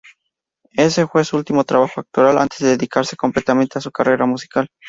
Este fue su último trabajo actoral antes de dedicarse completamente a su carrera musical.